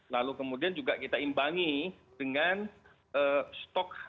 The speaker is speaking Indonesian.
lalu kemudian juga kita imbangi dengan stok